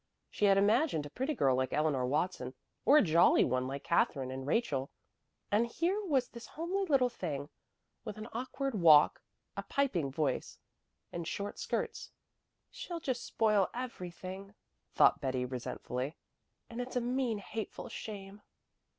She had imagined a pretty girl like Eleanor Watson, or a jolly one like Katherine and Rachel; and here was this homely little thing with an awkward walk, a piping voice, and short skirts. "She'll just spoil everything," thought Betty resentfully, "and it's a mean, hateful shame."